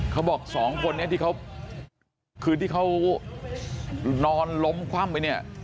เขาบอกสองคนนี้ที่เขาคืนที่เขานอนล้มคว่ำไปเนี่ย